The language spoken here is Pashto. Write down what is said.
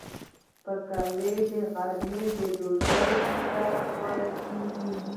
پکورې د غرمې ډوډۍ سره خوړل کېږي